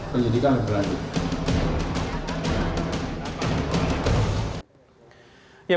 penyidikan lebih lanjut